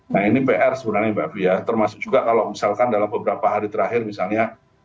nah ini pr sebenarnya mbak fia termasuk juga kalau misalkan dalam beberapa hari terakhir misalnya